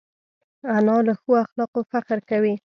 انا له ښو اخلاقو فخر کوي